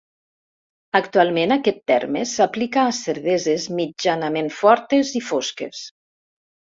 Actualment aquest terme s'aplica a cerveses mitjanament fortes i fosques.